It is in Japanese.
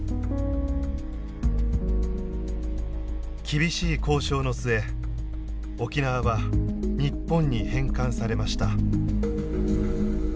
厳しい交渉の末沖縄は日本に返還されました。